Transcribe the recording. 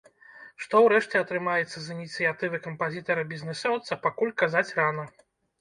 Што ўрэшце атрымаецца з ініцыятывы кампазітара-бізнэсоўца, пакуль казаць рана.